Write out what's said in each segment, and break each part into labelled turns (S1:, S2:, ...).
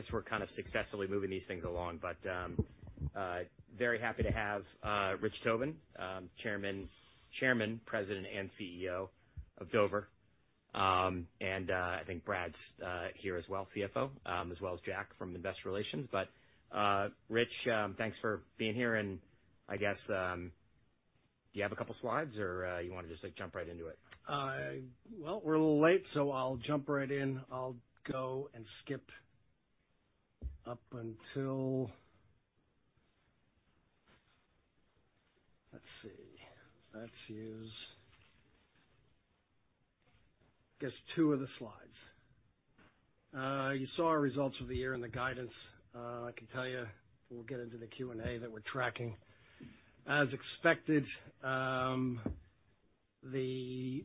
S1: All right. I guess we're kind of successfully moving these things along, but very happy to have Rich Tobin, Chairman, President, and CEO of Dover. And I think Brad's here as well, CFO, as well as Jack from Investor Relations. But Rich, thanks for being here, and I guess, do you have a couple slides or you wanna just, like, jump right into it?
S2: Well, we're a little late, so I'll jump right in. I'll go and skip up until. Let's use, I guess, two of the slides. You saw our results for the year and the guidance. I can tell you, we'll get into the Q&A, that we're tracking. As expected, the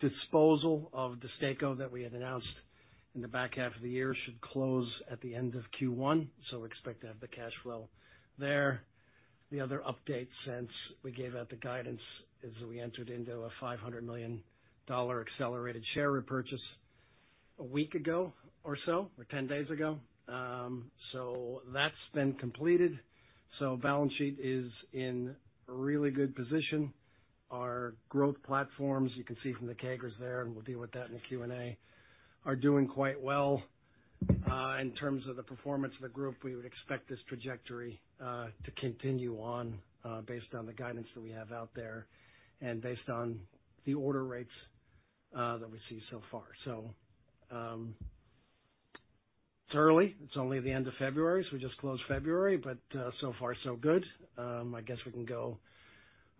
S2: disposal of DESTACO that we had announced in the back half of the year should close at the end of Q1, so we expect to have the cash flow there. The other update since we gave out the guidance is that we entered into a $500 million accelerated share repurchase a week ago or so, or 10 days ago. So that's been completed. So balance sheet is in a really good position. Our growth platforms, you can see from the CAGRs there, and we'll deal with that in the Q&A, are doing quite well. In terms of the performance of the group, we would expect this trajectory to continue on, based on the guidance that we have out there and based on the order rates that we see so far. It's early. It's only the end of February, so we just closed February, but so far, so good. I guess we can go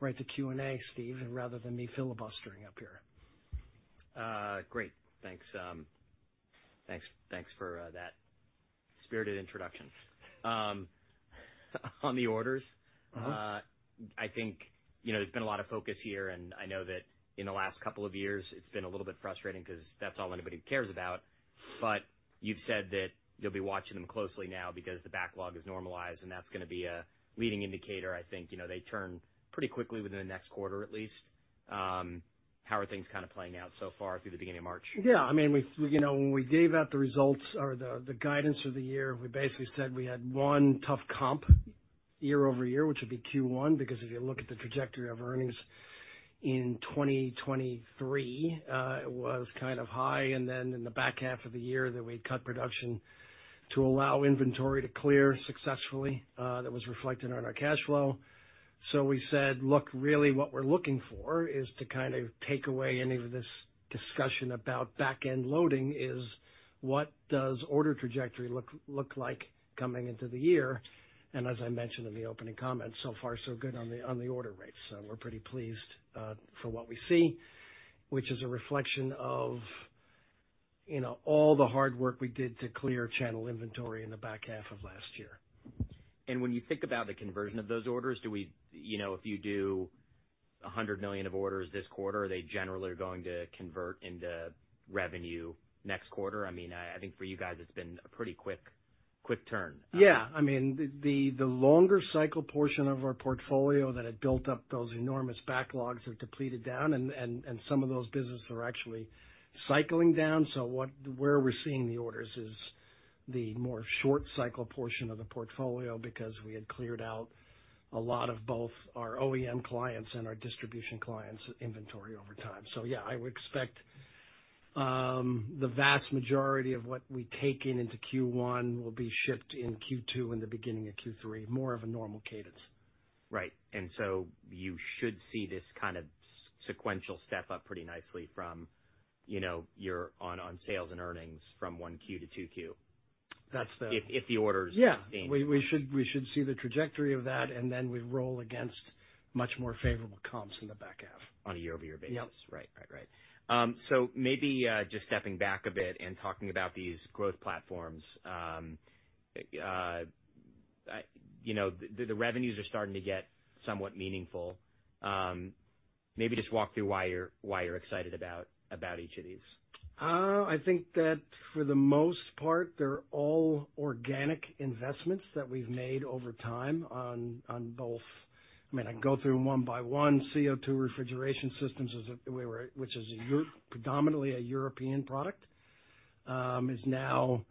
S2: right to Q&A, Steve, rather than me filibustering up here.
S1: Great. Thanks. Thanks, thanks for that spirited introduction. On the orders-
S2: Uh-huh.
S1: I think, you know, there's been a lot of focus here, and I know that in the last couple of years, it's been a little bit frustrating because that's all anybody cares about. But you've said that you'll be watching them closely now because the backlog is normalized, and that's gonna be a leading indicator. I think, you know, they turn pretty quickly within the next quarter, at least. How are things kind of playing out so far through the beginning of March?
S2: Yeah, I mean, we, you know, when we gave out the results or the guidance for the year, we basically said we had one tough comp year-over-year, which would be Q1, because if you look at the trajectory of earnings in 2023, it was kind of high, and then in the back half of the year, that we cut production to allow inventory to clear successfully, that was reflected on our cash flow. So we said, look, really what we're looking for is to kind of take away any of this discussion about back-end loading is, what does order trajectory look, look like coming into the year? And as I mentioned in the opening comments, so far, so good on the order rates. We're pretty pleased for what we see, which is a reflection of, you know, all the hard work we did to clear channel inventory in the back half of last year.
S1: When you think about the conversion of those orders, do we... You know, if you do $100 million of orders this quarter, are they generally going to convert into revenue next quarter? I mean, I think for you guys, it's been a pretty quick, quick turn.
S2: Yeah, I mean, the longer cycle portion of our portfolio that had built up those enormous backlogs have depleted down, and some of those businesses are actually cycling down. So where we're seeing the orders is the more short cycle portion of the portfolio, because we had cleared out a lot of both our OEM clients and our distribution clients' inventory over time. So yeah, I would expect the vast majority of what we take in into Q1 will be shipped in Q2 and the beginning of Q3, more of a normal cadence.
S1: Right. And so you should see this kind of sequential step up pretty nicely from, you know, your on sales and earnings from 1Q-2Q.
S2: That's the-
S1: If the orders sustain.
S2: Yeah. We should see the trajectory of that, and then we roll against much more favorable comps in the back half.
S1: On a year-over-year basis.
S2: Yep.
S1: Right. Right, right. So maybe just stepping back a bit and talking about these growth platforms, you know, the, the revenues are starting to get somewhat meaningful. Maybe just walk through why you're, why you're excited about, about each of these.
S2: I think that for the most part, they're all organic investments that we've made over time on both. I mean, I can go through them one by one. CO2 refrigeration systems, which is predominantly a European product, is now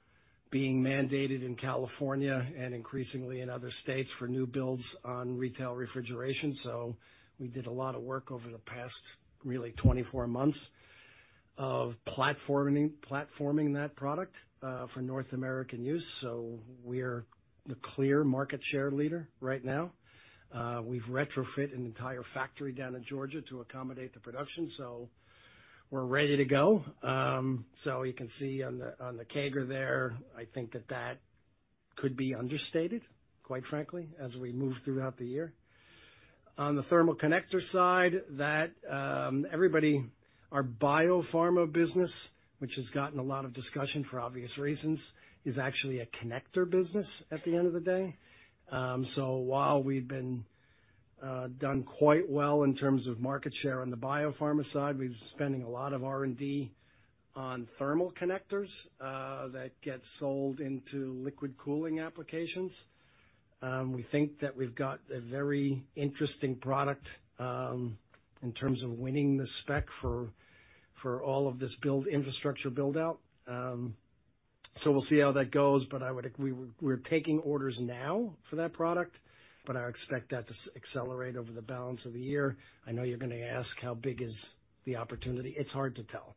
S2: being mandated in California and increasingly in other states for new builds on retail refrigeration. So we did a lot of work over the past, really, 24 months of platforming that product for North American use. So we're the clear market share leader right now. We've retrofit an entire factory down in Georgia to accommodate the production, so we're ready to go. So you can see on the CAGR there, I think that that could be understated, quite frankly, as we move throughout the year. On the thermal connector side, that, everybody, our biopharma business, which has gotten a lot of discussion for obvious reasons, is actually a connector business at the end of the day. So while we've done quite well in terms of market share on the biopharma side, we've been spending a lot of R&D on thermal connectors that get sold into liquid cooling applications. We think that we've got a very interesting product in terms of winning the spec for all of this infrastructure build-out. So we'll see how that goes, but we're taking orders now for that product, but I expect that to accelerate over the balance of the year. I know you're gonna ask, how big is the opportunity? It's hard to tell.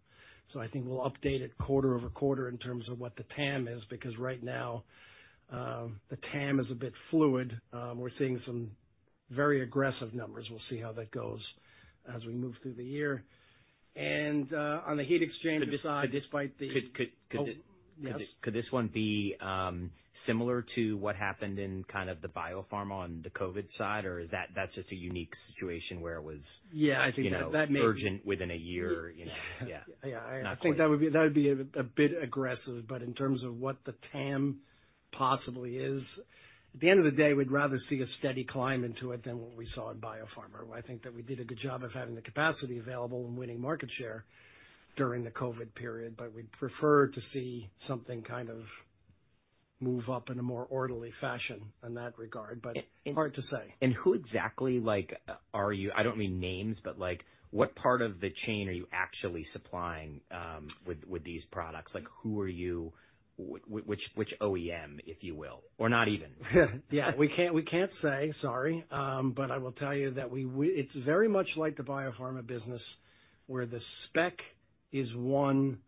S2: So I think we'll update it quarter-over-quarter in terms of what the TAM is, because right now, the TAM is a bit fluid. We're seeing some very aggressive numbers. We'll see how that goes as we move through the year. And, on the heat exchanger side, despite the-
S1: Could-
S2: Oh, yes.
S1: Could this one be similar to what happened in kind of the biopharma on the COVID side, or is that—that's just a unique situation where it was—
S2: Yeah, I think that may-
S1: You know, urgent within a year, you know? Yeah.
S2: Yeah.
S1: Not quite.
S2: I think that would be a bit aggressive, but in terms of what the TAM possibly is, at the end of the day, we'd rather see a steady climb into it than what we saw in biopharma, where I think that we did a good job of having the capacity available and winning market share during the COVID period, but we'd prefer to see something kind of move up in a more orderly fashion in that regard, but-
S1: And, and-
S2: Hard to say.
S1: And who exactly, like, are you? I don't mean names, but, like, what part of the chain are you actually supplying with these products? Like, who are you? Which OEM, if you will, or not even?
S2: Yeah, we can't, we can't say, sorry. But I will tell you that it's very much like the biopharma business, where the spec is won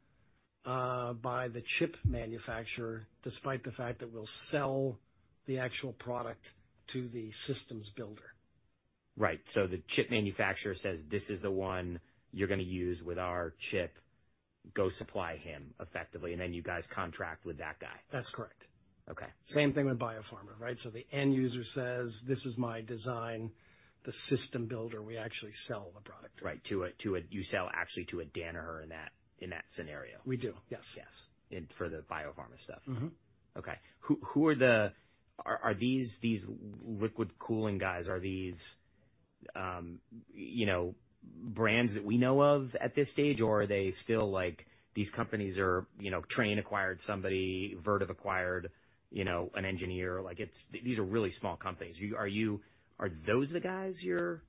S2: by the chip manufacturer, despite the fact that we'll sell the actual product to the systems builder.
S1: Right. So the chip manufacturer says, "This is the one you're gonna use with our chip. Go supply him," effectively, and then you guys contract with that guy.
S2: That's correct.
S1: Okay.
S2: Same thing with biopharma, right? So the end user says, "This is my design," the system builder, we actually sell the product to.
S1: Right, to a... You sell actually to a Danaher in that scenario?
S2: We do, yes.
S1: Yes, and for the biopharma stuff.
S2: Mm-hmm.
S1: Okay. Who are the... Are these liquid cooling guys, you know, brands that we know of at this stage, or are they still, like, these companies are, you know, Trane acquired somebody, Vertiv acquired, you know, an engineer. Like, it's—these are really small companies. Are those the guys you're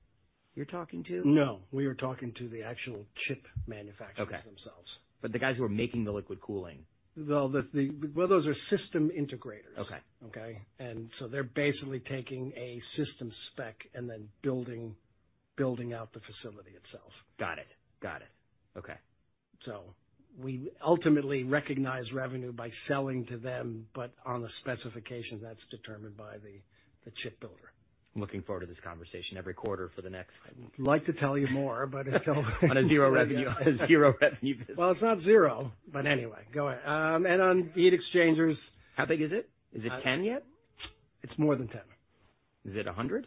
S1: talking to?
S2: No, we are talking to the actual chip manufacturers-
S1: Okay.
S2: -themselves.
S1: But the guys who are making the liquid cooling?
S2: Well, well, those are system integrators.
S1: Okay.
S2: Okay? So they're basically taking a system spec and then building out the facility itself.
S1: Got it. Got it. Okay.
S2: So we ultimately recognize revenue by selling to them, but on the specification that's determined by the chip builder.
S1: I'm looking forward to this conversation every quarter for the next-
S2: I'd like to tell you more, but until
S1: On a zero revenue business.
S2: Well, it's not zero, but anyway, go ahead. And on heat exchangers-
S1: How big is it? Is it 10 yet?
S2: It's more than 10.
S1: Is it 100?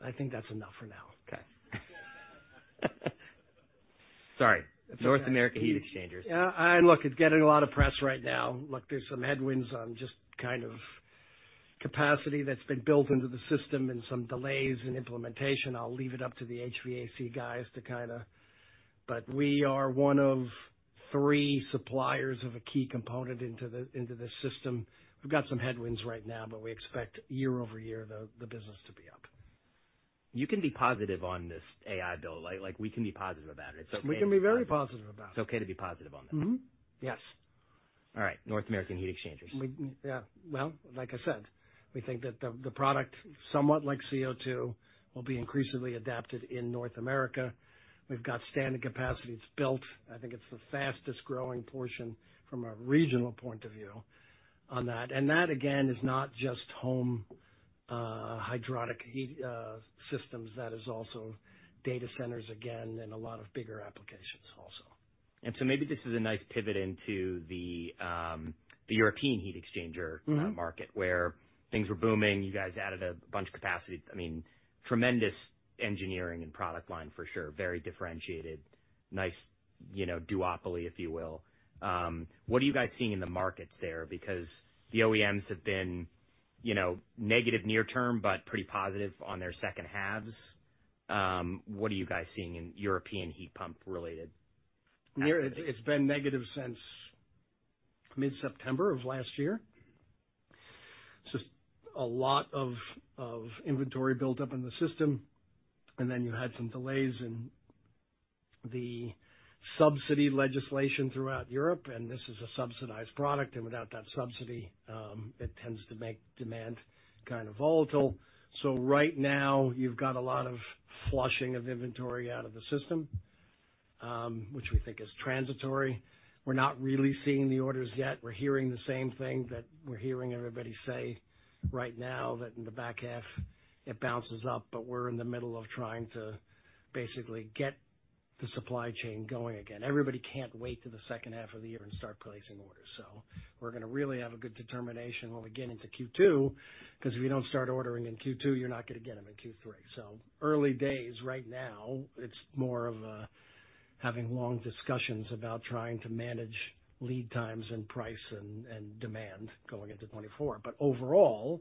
S2: I think that's enough for now.
S1: Okay. Sorry.
S2: It's okay.
S1: North America heat exchangers.
S2: Yeah, look, it's getting a lot of press right now. Look, there's some headwinds on just kind of capacity that's been built into the system and some delays in implementation. I'll leave it up to the HVAC guys to kind of... But we are one of three suppliers of a key component into this system. We've got some headwinds right now, but we expect year-over-year the business to be up.
S1: You can be positive on this AI bill, like, we can be positive about it. It's okay-
S2: We can be very positive about it.
S1: It's okay to be positive on this?
S2: Mm-hmm. Yes.
S1: All right. North American heat exchangers.
S2: Well, like I said, we think that the, the product, somewhat like CO2, will be increasingly adapted in North America. We've got standard capacity. It's built. I think it's the fastest-growing portion from a regional point of view on that. And that, again, is not just home, hydronic heat, systems. That is also data centers again, and a lot of bigger applications also.
S1: And so maybe this is a nice pivot into the European heat exchanger-
S2: Mm-hmm
S1: market, where things were booming. You guys added a bunch of capacity. I mean, tremendous engineering and product line, for sure. Very differentiated. Nice, you know, duopoly, if you will. What are you guys seeing in the markets there? Because the OEMs have been, you know, negative near term, but pretty positive on their second halves. What are you guys seeing in European heat pump related?
S2: Near, it's been negative since mid-September of last year. Just a lot of inventory built up in the system, and then you had some delays in the subsidy legislation throughout Europe, and this is a subsidized product, and without that subsidy, it tends to make demand kind of volatile. So right now, you've got a lot of flushing of inventory out of the system, which we think is transitory. We're not really seeing the orders yet. We're hearing the same thing that we're hearing everybody say right now, that in the back half, it bounces up, but we're in the middle of trying to basically get the supply chain going again. Everybody can't wait till the second half of the year and start placing orders. So we're gonna really have a good determination when we get into Q2, 'cause if you don't start ordering in Q2, you're not gonna get them in Q3. So early days right now, it's more of having long discussions about trying to manage lead times and price and, and demand going into 2024. But overall,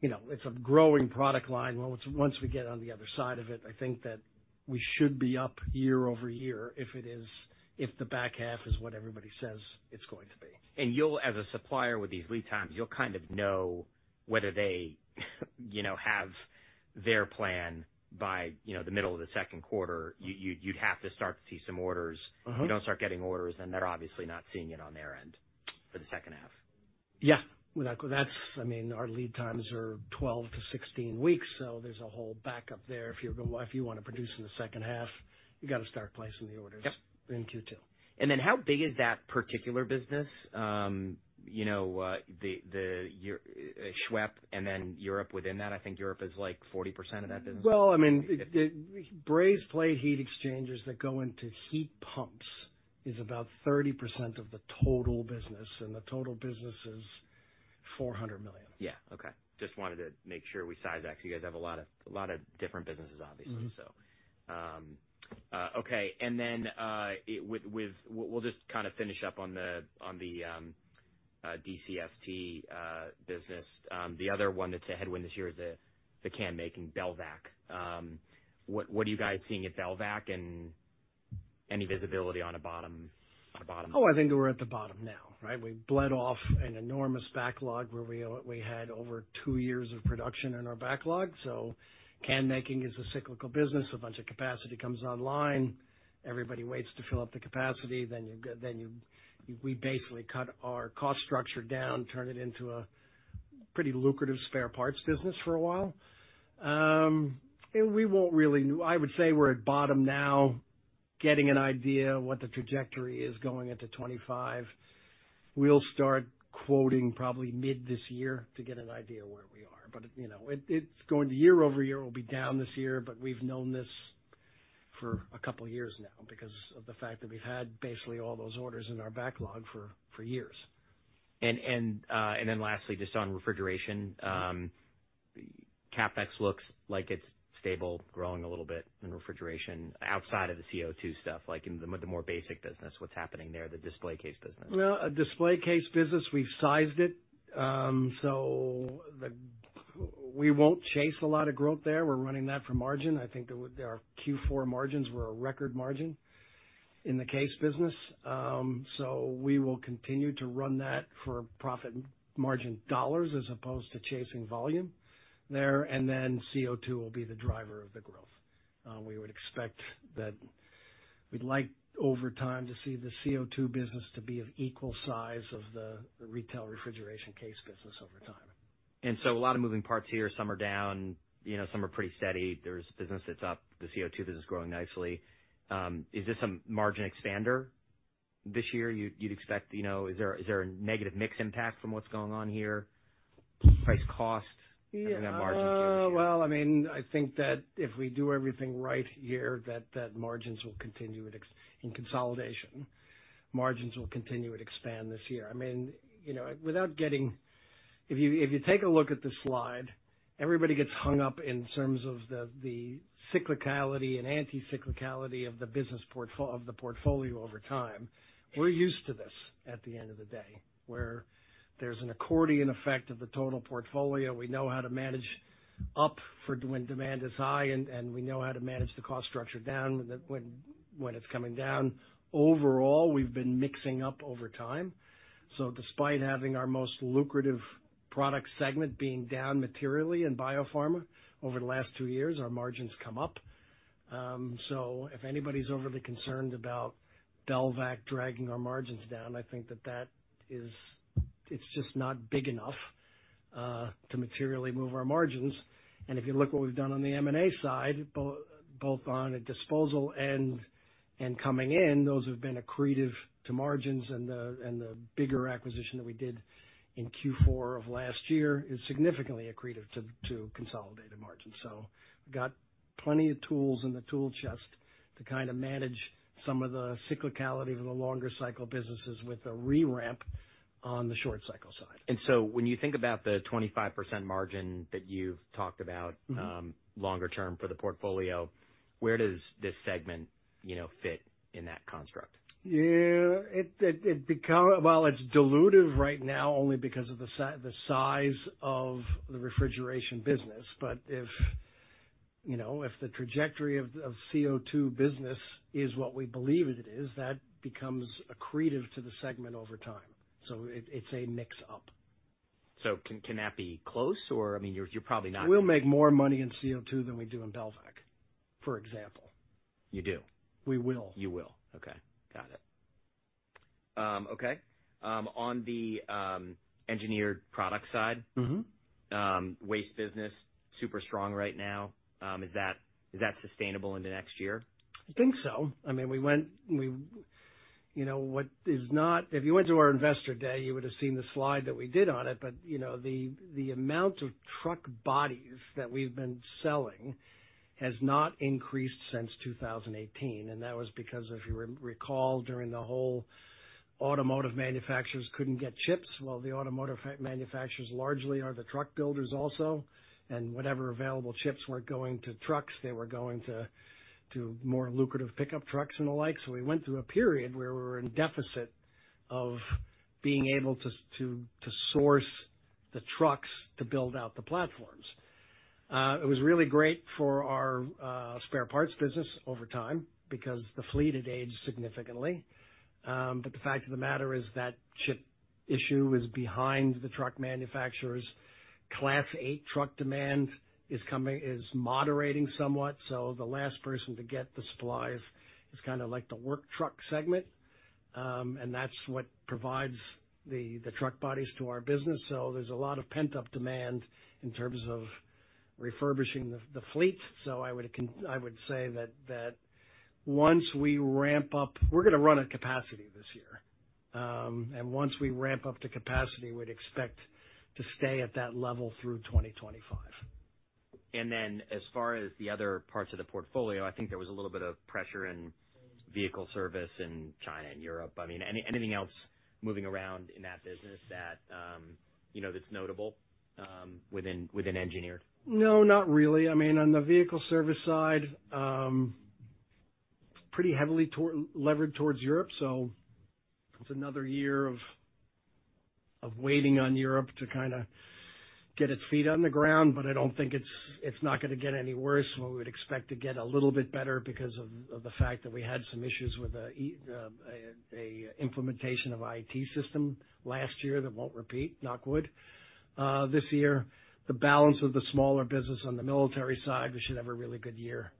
S2: you know, it's a growing product line. Well, once, once we get on the other side of it, I think that we should be up year-over-year, if the back half is what everybody says it's going to be.
S1: You'll, as a supplier with these lead times, you'll kind of know whether they, you know, have their plan by, you know, the middle of the second quarter. You'd have to start to see some orders.
S2: Uh-huh.
S1: If you don't start getting orders, then they're obviously not seeing it on their end for the second half.
S2: Yeah. Well, that's, I mean, our lead times are 12-16 weeks, so there's a whole backup there. If you want to produce in the second half, you've got to start placing the orders-
S1: Yep.
S2: - in Q2.
S1: Then how big is that particular business? You know, SWEP and then Europe within that? I think Europe is, like, 40% of that business.
S2: Well, I mean, brazed plate heat exchangers that go into heat pumps is about 30% of the total business, and the total business is $400 million.
S1: Yeah. Okay. Just wanted to make sure we size that, because you guys have a lot of, a lot of different businesses, obviously.
S2: Mm-hmm.
S1: So, okay, and then we'll just kind of finish up on the DCST business. The other one that's a headwind this year is the can-making, Belvac. What are you guys seeing at Belvac, and any visibility on a bottom?
S2: Oh, I think we're at the bottom now, right? We bled off an enormous backlog, where we had over two years of production in our backlog. So can making is a cyclical business. A bunch of capacity comes online, everybody waits to fill up the capacity, then we basically cut our cost structure down, turn it into a pretty lucrative spare parts business for a while. And we won't really... I would say we're at bottom now, getting an idea of what the trajectory is going into 2025. We'll start quoting probably mid this year to get an idea where we are. But, you know, it's going to year-over-year will be down this year, but we've known this for a couple of years now because of the fact that we've had basically all those orders in our backlog for years.
S1: Then lastly, just on refrigeration, CapEx looks like it's stable, growing a little bit in refrigeration outside of the CO2 stuff, like in the more basic business. What's happening there, the display case business?
S2: Well, display case business, we've sized it, so we won't chase a lot of growth there. We're running that for margin. I think our Q4 margins were a record margin in the case business. So we will continue to run that for profit margin dollars as opposed to chasing volume there, and then CO2 will be the driver of the growth. We would expect that we'd like, over time, to see the CO2 business to be of equal size of the retail refrigeration case business over time.
S1: And so a lot of moving parts here. Some are down, you know, some are pretty steady. There's business that's up, the CO2 business growing nicely. Is this a margin expander this year, you'd, you'd expect? You know, is there, is there a negative mix impact from what's going on here, price costs-
S2: Yeah.
S1: And then margins here this year?
S2: Well, I mean, I think that if we do everything right here, margins will continue at ex- in consolidation, margins will continue to expand this year. I mean, you know, without getting, if you take a look at the slide, everybody gets hung up in terms of the cyclicality and anti-cyclicality of the business of the portfolio over time. We're used to this at the end of the day, where there's an accordion effect of the total portfolio. We know how to manage up for when demand is high, and we know how to manage the cost structure down when it's coming down. Overall, we've been mixing up over time, so despite having our most lucrative product segment being down materially in biopharma over the last two years, our margins come up. So if anybody's overly concerned about Belvac dragging our margins down, I think that that is—it's just not big enough to materially move our margins. And if you look what we've done on the M&A side, both on a disposal and coming in, those have been accretive to margins, and the bigger acquisition that we did in Q4 of last year is significantly accretive to consolidated margins. So we've got plenty of tools in the tool chest to kind of manage some of the cyclicality of the longer cycle businesses with a re-ramp on the short cycle side.
S1: When you think about the 25% margin that you've talked about-
S2: Mm-hmm.
S1: longer term for the portfolio, where does this segment, you know, fit in that construct?
S2: Yeah, it becomes, well, it's dilutive right now only because of the size of the refrigeration business. But if, you know, if the trajectory of CO2 business is what we believe it is, that becomes accretive to the segment over time. So it's a mix-up.
S1: So can that be close, or, I mean, you're probably not-
S2: We'll make more money in CO2 than we do in Belvac, for example.
S1: You do?
S2: We will.
S1: You will. Okay, got it. Okay. On the engineered product side-
S2: Mm-hmm.
S1: Waste business, super strong right now. Is that, is that sustainable into next year?
S2: I think so. I mean, you know, if you went to our Investor Day, you would have seen the slide that we did on it, but, you know, the amount of truck bodies that we've been selling has not increased since 2018, and that was because, if you recall, during the whole automotive manufacturers couldn't get chips. Well, the automotive OEM manufacturers largely are the truck builders also, and whatever available chips weren't going to trucks, they were going to more lucrative pickup trucks and the like. So we went through a period where we were in deficit of being able to source the trucks to build out the platforms. It was really great for our spare parts business over time because the fleet had aged significantly. But the fact of the matter is that chip issue is behind the truck manufacturers. Class 8 truck demand is moderating somewhat, so the last person to get the supplies is kinda like the work truck segment, and that's what provides the truck bodies to our business. So there's a lot of pent-up demand in terms of refurbishing the fleet. So I would say that once we ramp up... We're gonna run at capacity this year, and once we ramp up to capacity, we'd expect to stay at that level through 2025.
S1: And then as far as the other parts of the portfolio, I think there was a little bit of pressure in vehicle service in China and Europe. I mean, anything else moving around in that business that, you know, that's notable, within engineered?
S2: No, not really. I mean, on the vehicle service side, pretty heavily levered towards Europe, so it's another year of waiting on Europe to kinda get its feet on the ground, but I don't think it's gonna get any worse. We would expect to get a little bit better because of the fact that we had some issues with an implementation of IT system last year that won't repeat, knock wood. This year, the balance of the smaller business on the military side, we should have a really good year.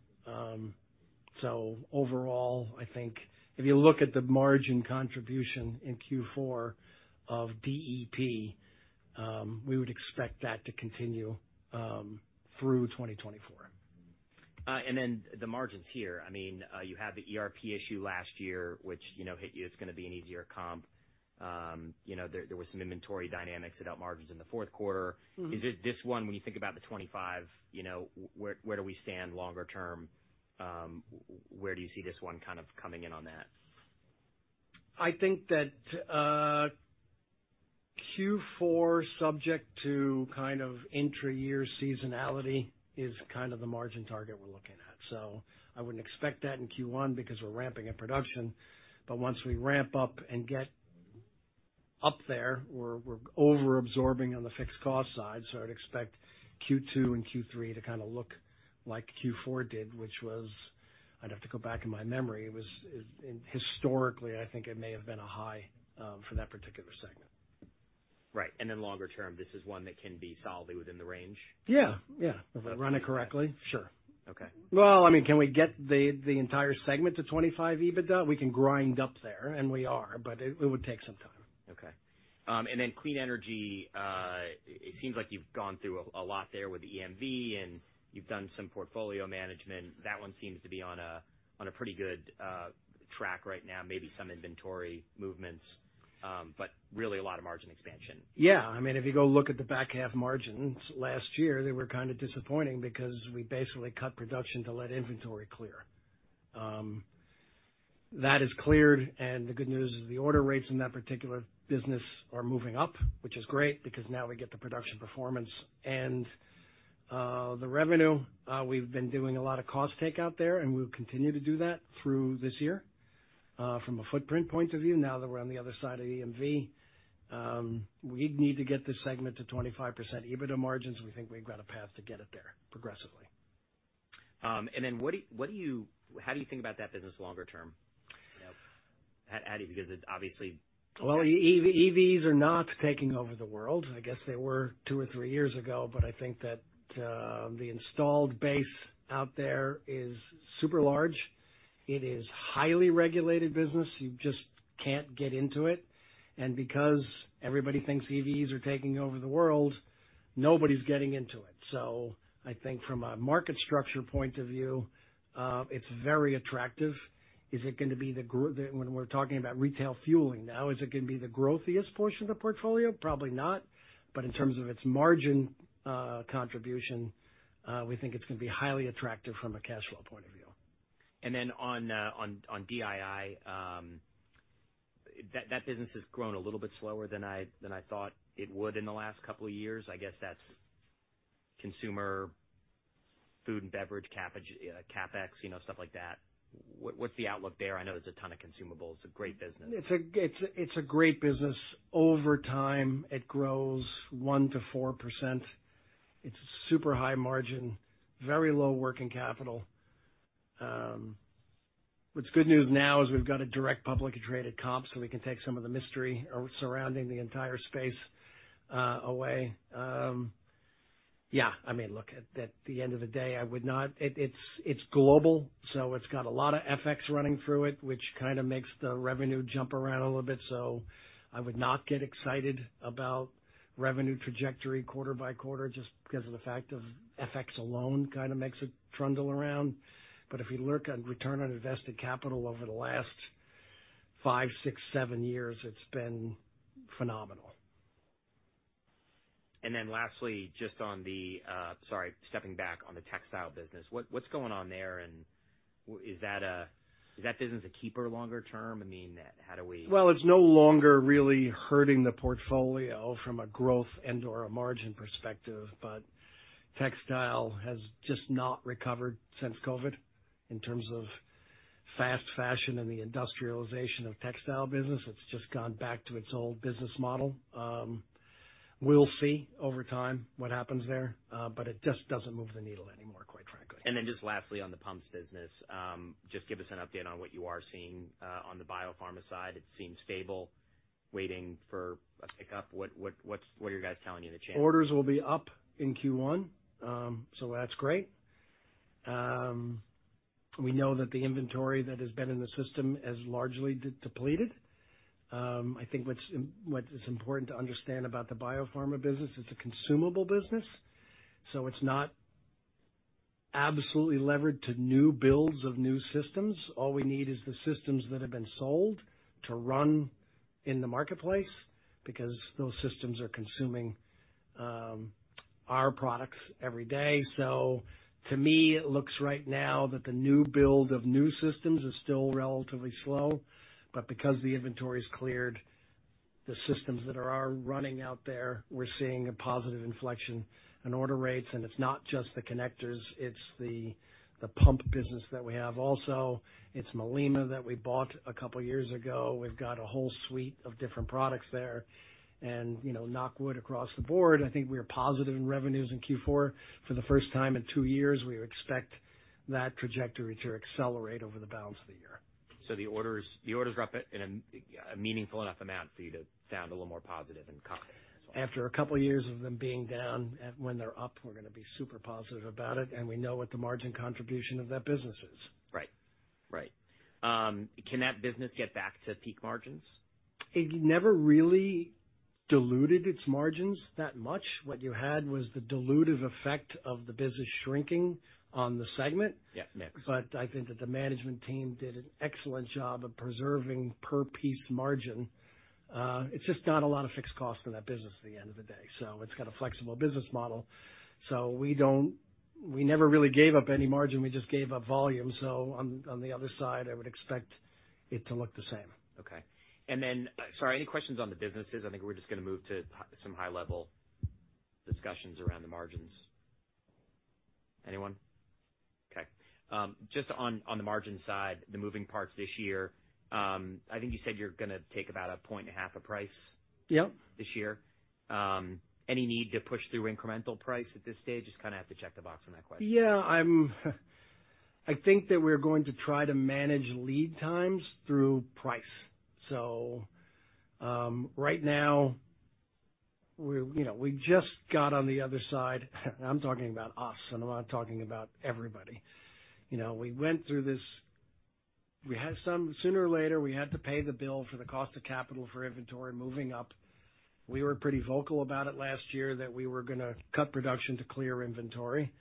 S2: So overall, I think if you look at the margin contribution in Q4 of DEP, we would expect that to continue through 2024.
S1: And then the margins here, I mean, you had the ERP issue last year, which, you know, hit you. It's gonna be an easier comp. You know, there was some inventory dynamics that helped margins in the fourth quarter.
S2: Mm-hmm.
S1: Is it this one, when you think about the 25, you know, where, where do we stand longer term? Where do you see this one kind of coming in on that?
S2: I think that Q4, subject to kind of intra-year seasonality, is kind of the margin target we're looking at. So I wouldn't expect that in Q1 because we're ramping in production, but once we ramp up and get up there, we're over-absorbing on the fixed cost side, so I'd expect Q2 and Q3 to kinda look like Q4 did, which was... I'd have to go back in my memory. It was historically, I think it may have been a high for that particular segment.
S1: Right. And then longer term, this is one that can be solidly within the range?
S2: Yeah. Yeah.
S1: Okay.
S2: If I run it correctly, sure.
S1: Okay.
S2: Well, I mean, can we get the, the entire segment to 25% EBITDA? We can grind up there, and we are, but it, it would take some time.
S1: Okay. And then clean energy, it seems like you've gone through a lot there with EMV, and you've done some portfolio management. That one seems to be on a pretty good track right now, maybe some inventory movements, but really a lot of margin expansion.
S2: Yeah. I mean, if you go look at the back half margins last year, they were kind of disappointing because we basically cut production to let inventory clear. That is cleared, and the good news is the order rates in that particular business are moving up, which is great because now we get the production performance and the revenue. We've been doing a lot of cost take out there, and we'll continue to do that through this year. From a footprint point of view, now that we're on the other side of the EMV, we need to get this segment to 25% EBITDA margins. We think we've got a path to get it there progressively.
S1: And then what do you, how do you think about that business longer term? You know, because it obviously-
S2: Well, EVs are not taking over the world. I guess they were two or three years ago, but I think that the installed base out there is super large. It is highly regulated business. You just can't get into it. And because everybody thinks EVs are taking over the world, nobody's getting into it. So I think from a market structure point of view, it's very attractive. When we're talking about retail fueling now, is it gonna be the growthiest portion of the portfolio? Probably not. But in terms of its margin contribution, we think it's gonna be highly attractive from a cash flow point of view.
S1: And then on DII, that business has grown a little bit slower than I thought it would in the last couple of years. I guess that's consumer food and beverage, CapEx, you know, stuff like that. What's the outlook there? I know there's a ton of consumables. It's a great business.
S2: It's a great business. Over time, it grows 1%-4%. It's super high margin, very low working capital. What's good news now is we've got a direct publicly traded comp, so we can take some of the mystery around, surrounding the entire space, away. Yeah, I mean, look, at the end of the day, I would not... It's global, so it's got a lot of FX running through it, which kinda makes the revenue jump around a little bit. So I would not get excited about revenue trajectory quarter-by-quarter, just because of the fact of FX alone kinda makes it trundle around. But if you look at return on invested capital over the last five, six, seven years, it's been phenomenal....
S1: And then lastly, just on the, sorry, stepping back on the textile business, what's going on there? And is that a, is that business a keeper longer term? I mean, how do we-
S2: Well, it's no longer really hurting the portfolio from a growth and/or a margin perspective, but textile has just not recovered since COVID in terms of fast fashion and the industrialization of textile business. It's just gone back to its old business model. We'll see over time what happens there, but it just doesn't move the needle anymore, quite frankly.
S1: Then just lastly, on the pumps business, just give us an update on what you are seeing on the biopharma side. It seems stable, waiting for a pick-up. What are you guys telling you in the channel?
S2: Orders will be up in Q1, so that's great. We know that the inventory that has been in the system has largely depleted. I think what's, what is important to understand about the biopharma business, it's a consumable business, so it's not absolutely levered to new builds of new systems. All we need is the systems that have been sold to run in the marketplace because those systems are consuming our products every day. So to me, it looks right now that the new build of new systems is still relatively slow, but because the inventory's cleared, the systems that are running out there, we're seeing a positive inflection in order rates, and it's not just the connectors, it's the pump business that we have also. It's Malema that we bought a couple of years ago. We've got a whole suite of different products there, and, you know, knock wood across the board, I think we are positive in revenues in Q4 for the first time in two years. We expect that trajectory to accelerate over the balance of the year.
S1: So the orders, the orders are up in a meaningful enough amount for you to sound a little more positive and confident as well.
S2: After a couple of years of them being down, when they're up, we're gonna be super positive about it, and we know what the margin contribution of that business is.
S1: Right. Right. Can that business get back to peak margins?
S2: It never really diluted its margins that much. What you had was the dilutive effect of the business shrinking on the segment.
S1: Yeah, makes-
S2: But I think that the management team did an excellent job of preserving per piece margin. It's just not a lot of fixed cost in that business at the end of the day, so it's got a flexible business model. So we don't, we never really gave up any margin, we just gave up volume, so on the other side, I would expect it to look the same.
S1: Okay. And then, sorry, any questions on the businesses? I think we're just gonna move to some high-level discussions around the margins. Anyone? Okay. Just on the margin side, the moving parts this year, I think you said you're gonna take about a point and a half of price-
S2: Yeah
S1: this year. Any need to push through incremental price at this stage? Just kind of have to check the box on that question.
S2: Yeah, I think that we're going to try to manage lead times through price. So, right now, we, you know, we just got on the other side, I'm talking about us, I'm not talking about everybody. You know, we went through this. We had some sooner or later, we had to pay the bill for the cost of capital for inventory moving up. We were pretty vocal about it last year that we were gonna cut production to clear inventory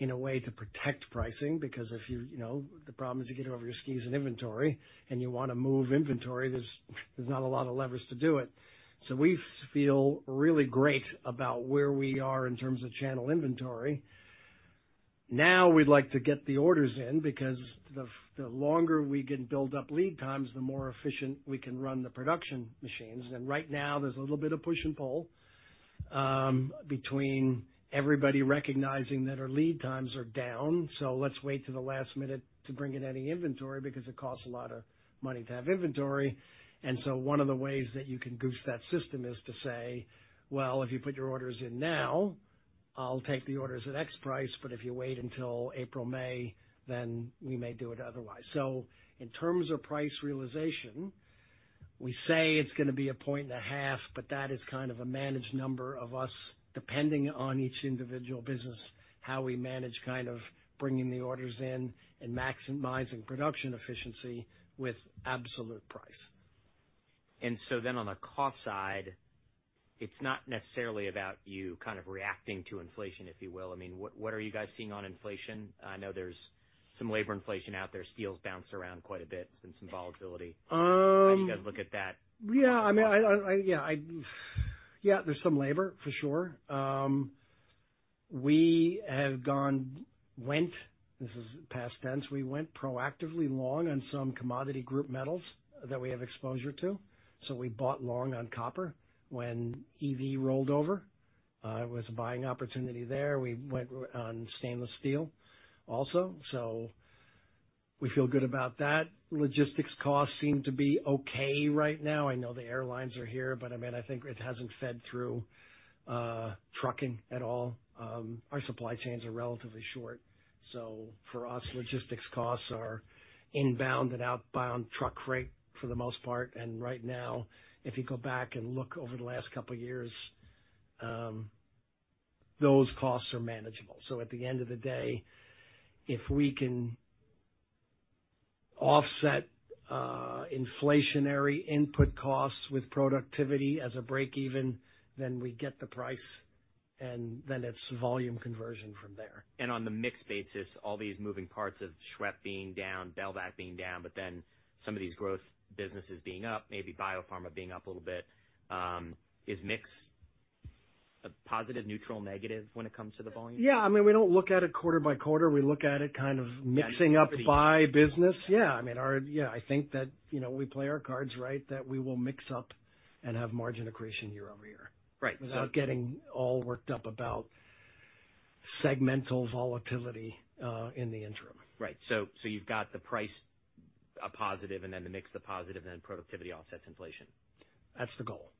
S2: in a way to protect pricing, because if you, you know, the problem is you get over your skis in inventory and you want to move inventory, there's not a lot of levers to do it. So we feel really great about where we are in terms of channel inventory. Now, we'd like to get the orders in because the longer we can build up lead times, the more efficient we can run the production machines. Right now, there's a little bit of push and pull between everybody recognizing that our lead times are down, so let's wait to the last minute to bring in any inventory because it costs a lot of money to have inventory. And so one of the ways that you can goose that system is to say, "Well, if you put your orders in now, I'll take the orders at X price, but if you wait until April, May, then we may do it otherwise." So in terms of price realization, we say it's gonna be 1.5, but that is kind of a managed number of us, depending on each individual business, how we manage kind of bringing the orders in and maximizing production efficiency with absolute price.
S1: And so then on the cost side, it's not necessarily about you kind of reacting to inflation, if you will. I mean, what are you guys seeing on inflation? I know there's some labor inflation out there. Steel's bounced around quite a bit. There's been some volatility.
S2: Um-
S1: How do you guys look at that?
S2: Yeah, I mean, yeah. Yeah, there's some labor, for sure. We went proactively long on some commodity group metals that we have exposure to, so we bought long on copper when EV rolled over. It was a buying opportunity there. We went on stainless steel also, so we feel good about that. Logistics costs seem to be okay right now. I know the airlines are here, but I mean, I think it hasn't fed through, trucking at all. Our supply chains are relatively short, so for us, logistics costs are inbound and outbound truck rate for the most part. And right now, if you go back and look over the last couple of years, those costs are manageable. So at the end of the day, if we can offset inflationary input costs with productivity as a break even, then we get the price right... and then it's volume conversion from there.
S1: On the mix basis, all these moving parts of SWEP being down, Belvac being down, but then some of these growth businesses being up, maybe biopharma being up a little bit, is mix a positive, neutral, negative when it comes to the volume?
S2: Yeah, I mean, we don't look at it quarter-by-quarter. We look at it kind of-
S1: Yeah.
S2: mixing up our business. Yeah, I mean, our yeah, I think that, you know, we play our cards right, that we will mix up and have margin accretion year-over-year.
S1: Right.
S2: Without getting all worked up about segmental volatility, in the interim.
S1: Right. So, you've got the price, a positive, and then the mix, the positive, and then productivity offsets inflation?
S2: That's the goal.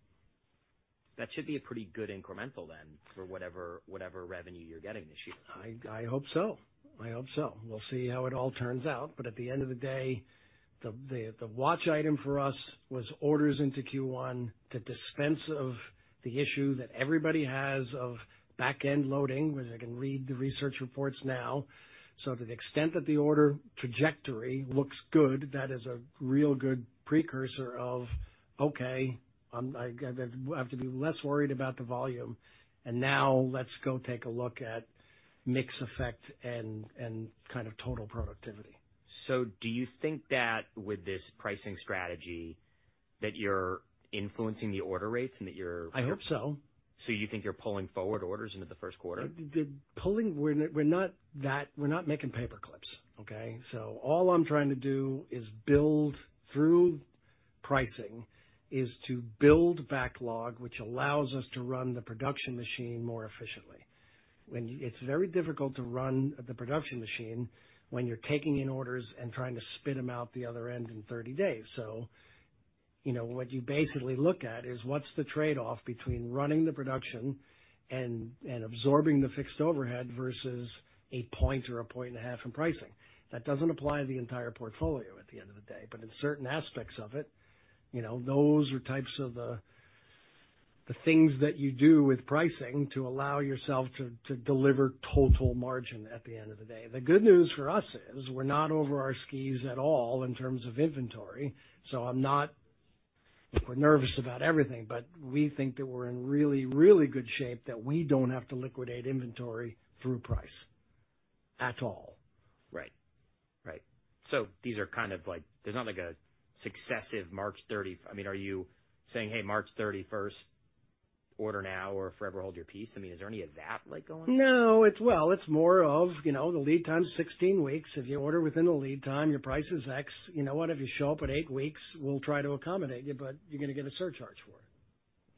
S1: That should be a pretty good incremental then, for whatever, whatever revenue you're getting this year.
S2: I hope so. I hope so. We'll see how it all turns out, but at the end of the day, the watch item for us was orders into Q1, to dispense of the issue that everybody has of back-end loading, which I can read the research reports now. So to the extent that the order trajectory looks good, that is a real good precursor of, okay, I have to be less worried about the volume, and now let's go take a look at mix effect and kind of total productivity.
S1: Do you think that with this pricing strategy, that you're influencing the order rates and that you're-
S2: I hope so.
S1: So you think you're pulling forward orders into the first quarter?
S2: We're not, we're not that—we're not making paperclips, okay? So all I'm trying to do is build through pricing, is to build backlog, which allows us to run the production machine more efficiently. When—it's very difficult to run the production machine when you're taking in orders and trying to spit them out the other end in 30 days. So, you know, what you basically look at is, what's the trade-off between running the production and, and absorbing the fixed overhead versus a point or a point and a half in pricing? That doesn't apply to the entire portfolio at the end of the day, but in certain aspects of it, you know, those are types of the things that you do with pricing to allow yourself to deliver total margin at the end of the day. The good news for us is, we're not over our skis at all in terms of inventory, so I'm not nervous about everything, but we think that we're in really, really good shape that we don't have to liquidate inventory through price at all.
S1: Right. Right. So these are kind of like... There's not, like, a successive March 30th. I mean, are you saying, "Hey, March 31st, order now or forever hold your peace?" I mean, is there any of that, like, going on?
S2: No, it's well, it's more of, you know, the lead time's 16 weeks. If you order within the lead time, your price is X. You know what? If you show up at 8 weeks, we'll try to accommodate you, but you're gonna get a surcharge for it.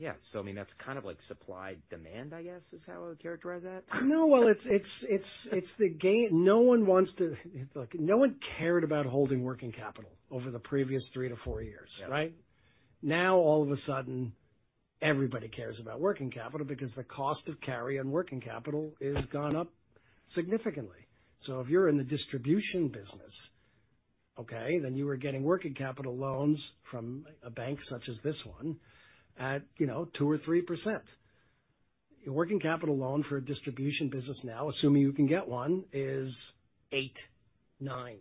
S1: Yeah. So I mean, that's kind of like supply-demand, I guess, is how I would characterize that?
S2: No, well, it's no one wants to. Look, no one cared about holding working capital over the previous three to four years.
S1: Yeah.
S2: Right? Now, all of a sudden, everybody cares about working capital because the cost of carry on working capital has gone up significantly. So if you're in the distribution business, okay, then you were getting working capital loans from a bank such as this one at, you know, 2% or 3%. Your working capital loan for a distribution business now, assuming you can get one, is 8%, 9%.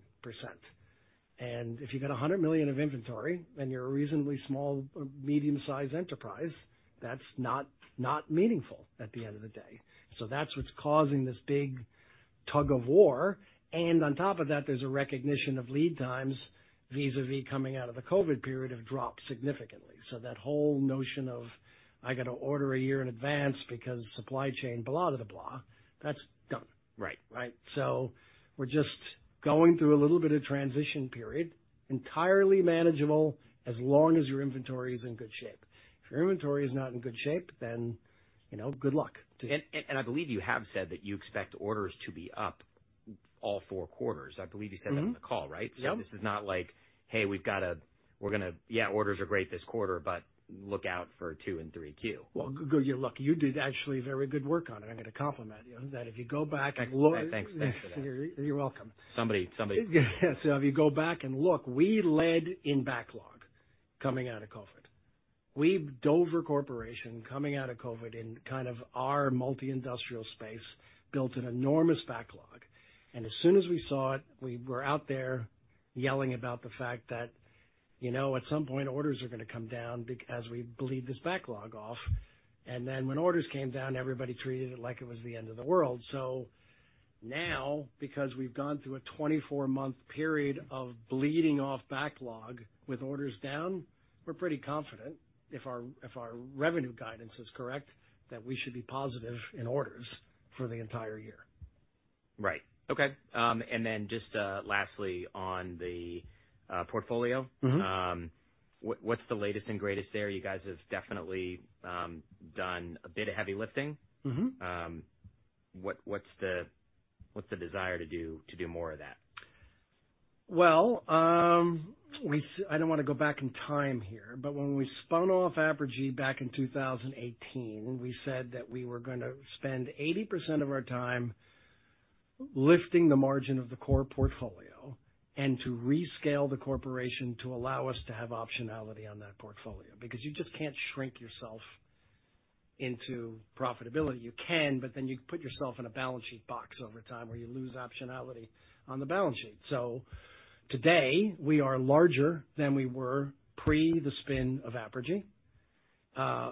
S2: And if you've got $100 million of inventory and you're a reasonably small, medium-sized enterprise, that's not, not meaningful at the end of the day. So that's what's causing this big tug-of-war. And on top of that, there's a recognition of lead times, vis-à-vis coming out of the COVID period, have dropped significantly. So that whole notion of, I got to order a year in advance because supply chain, blah, blah, blah, that's done.
S1: Right.
S2: Right? So we're just going through a little bit of transition period. Entirely manageable, as long as your inventory is in good shape. If your inventory is not in good shape, then, you know, good luck to you.
S1: I believe you have said that you expect orders to be up all four quarters. I believe you said that-
S2: Mm-hmm.
S1: on the call, right?
S2: Yeah.
S1: So this is not like, hey, we're gonna. Yeah, orders are great this quarter, but look out for 2Q and 3Q.
S2: Well, look, you did actually very good work on it. I'm gonna compliment you, on that. If you go back and look-
S1: Thanks. Thanks for that.
S2: You're welcome.
S1: Somebody, somebody-
S2: So if you go back and look, we led in backlog coming out of COVID. We, Dover Corporation, coming out of COVID, in kind of our multi-industrial space, built an enormous backlog, and as soon as we saw it, we were out there yelling about the fact that, you know, at some point, orders are gonna come down as we bleed this backlog off. And then when orders came down, everybody treated it like it was the end of the world. So now, because we've gone through a 24-month period of bleeding off backlog with orders down, we're pretty confident, if our, if our revenue guidance is correct, that we should be positive in orders for the entire year.
S1: Right. Okay, and then just lastly, on the portfolio-
S2: Mm-hmm.
S1: What's the latest and greatest there? You guys have definitely done a bit of heavy lifting.
S2: Mm-hmm.
S1: What’s the desire to do more of that?
S2: Well, I don't want to go back in time here, but when we spun off Apergy back in 2018, we said that we were gonna spend 80% of our time lifting the margin of the core portfolio and to rescale the corporation to allow us to have optionality on that portfolio, because you just can't shrink yourself into profitability. You can, but then you put yourself in a balance sheet box over time, where you lose optionality on the balance sheet. So today, we are larger than we were pre the spin of Apergy.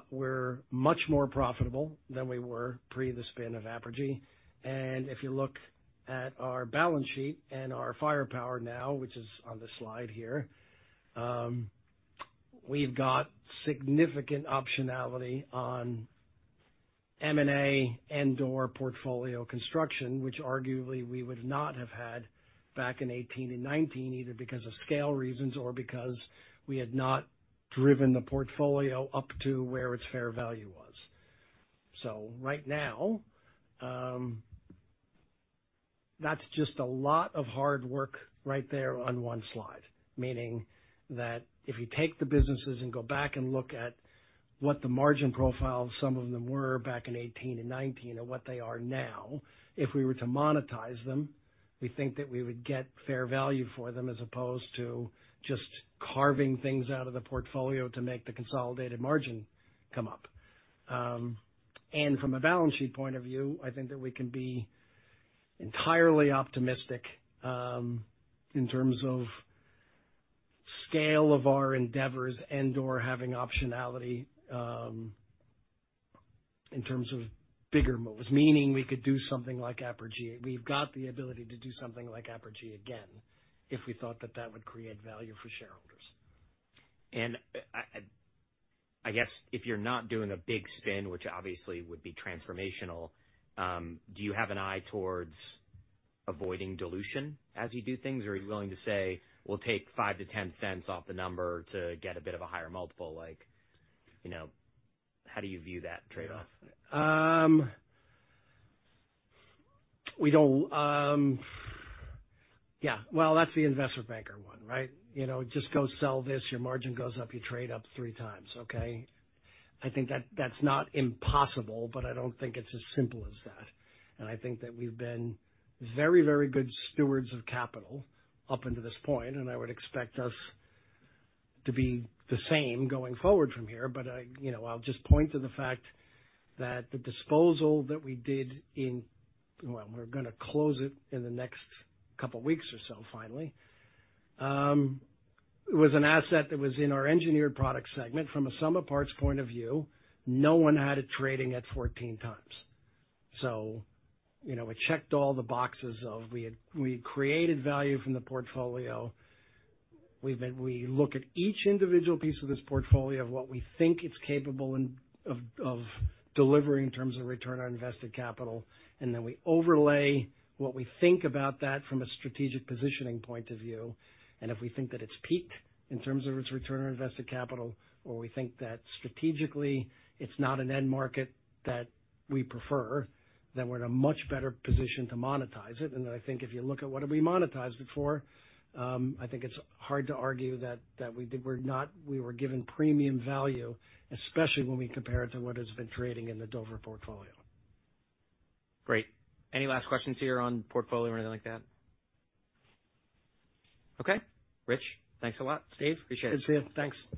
S2: We're much more profitable than we were pre the spin of Apergy. And if you look at our balance sheet and our firepower now, which is on the slide here, we've got significant optionality on M&A and or portfolio construction, which arguably we would not have had back in 2018 and 2019, either because of scale reasons or because we had not driven the portfolio up to where its fair value was. So right now, that's just a lot of hard work right there on one slide. Meaning that if you take the businesses and go back and look at what the margin profile of some of them were back in 2018 and 2019 and what they are now, if we were to monetize them, we think that we would get fair value for them, as opposed to just carving things out of the portfolio to make the consolidated margin come up. From a balance sheet point of view, I think that we can be entirely optimistic in terms of scale of our endeavors and or having optionality in terms of bigger moves, meaning we could do something like Apergy. We've got the ability to do something like Apergy again, if we thought that that would create value for shareholders.
S1: I guess if you're not doing a big spin, which obviously would be transformational, do you have an eye towards avoiding dilution as you do things, or are you willing to say, "We'll take $0.05-$0.10 off the number to get a bit of a higher multiple?" Like, you know, how do you view that trade-off?
S2: Yeah, well, that's the investment banker one, right? You know, just go sell this, your margin goes up, you trade up three times, okay? I think that's not impossible, but I don't think it's as simple as that, and I think that we've been very, very good stewards of capital up until this point, and I would expect us to be the same going forward from here. But you know, I'll just point to the fact that the disposal that we did in. Well, we're gonna close it in the next couple weeks or so, finally. It was an asset that was in our Engineered Products segment. From a sum of parts point of view, no one had it trading at 14x. So, you know, it checked all the boxes of we had we created value from the portfolio. We look at each individual piece of this portfolio, of what we think it's capable in, of, of delivering in terms of return on invested capital, and then we overlay what we think about that from a strategic positioning point of view, and if we think that it's peaked in terms of its return on invested capital, or we think that strategically it's not an end market that we prefer, then we're in a much better position to monetize it. I think if you look at what did we monetize it for, I think it's hard to argue that that we were given premium value, especially when we compare it to what has been trading in the Dover portfolio.
S1: Great. Any last questions here on portfolio or anything like that? Okay. Rich, thanks a lot. Steve, appreciate it.
S2: Good to see you. Thanks.